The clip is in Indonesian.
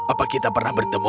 apa kita pernah bertemu